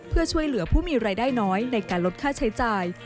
เพื่อช่วยเหลือผู้มีรายได้น้อยในการลดค่าใช้จ่าย